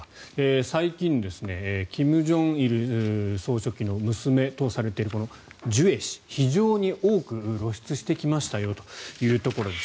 最近、金正恩総書記の娘とされているジュエ氏非常に多く露出してきましたよというところです。